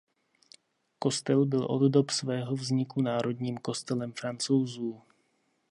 Kostel byl od dob svého vzniku národním kostelem Francouzů.